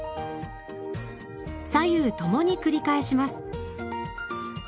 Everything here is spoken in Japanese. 左右ともに繰り返します。